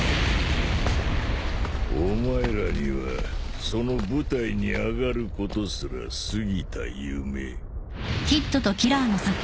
お前らにはその舞台に上がることすらすぎた夢。